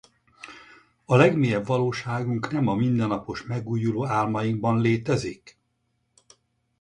A legmélyebb valóságunk nem a mindennapos megújuló álmainkban létezik?